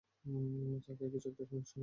চাকায় কিছু একটা সমস্যা হয়েছে।